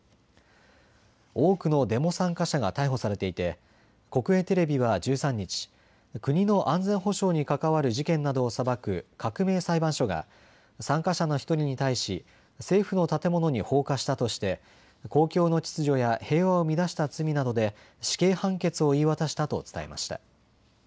多くのデモ参加者が逮捕されていて国営テレビは１３日、国の安全保障に関わる事件などを裁く革命裁判所が参加者の１人に対し政府の建物に放火したとして公共の秩序や平和を乱した罪などで死刑判決を言い渡したと伝えました。